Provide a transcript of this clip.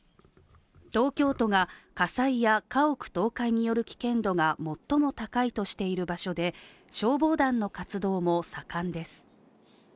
東京都が、火災や家屋倒壊による危険度が最も高いとしている場所で、消防団の活動も盛んです。